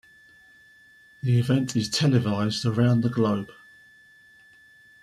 The event is televised around the globe.